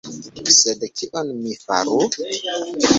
Sed, kion mi faru?